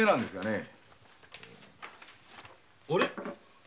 あれ？